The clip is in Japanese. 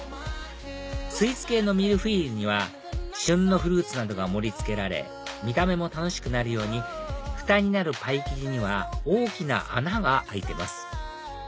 スイーツ系のミルフィーユには旬のフルーツなどが盛り付けられ見た目も楽しくなるようにふたになるパイ生地には大きな穴が開いてます